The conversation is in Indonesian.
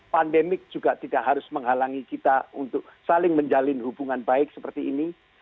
pandemik juga tidak harus menghalangi kita untuk saling menjalin hubungan baik seperti ini